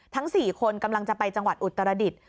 ทั้ง๔คนกำลังจะไปจังหวัดอุตรดิษฐ์